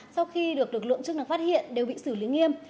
sau khi được lực lượng chức năng phát hiện đều bị xử lý nghiêm